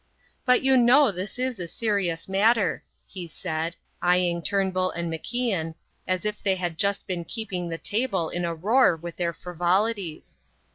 "But you know this is a serious matter," he said, eyeing Turnbull and MacIan, as if they had just been keeping the table in a roar with their frivolities.